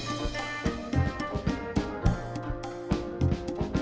kamu mau jalan sama bang udin